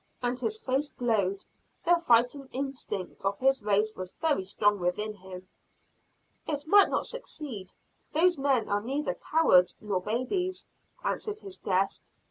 And his face glowed the fighting instinct of his race was very strong within him. "It might not succeed, those men are neither cowards nor babies," answered his guest.